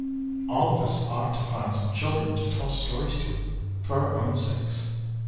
All of us ought to find some children to tell stories to for our own sakes.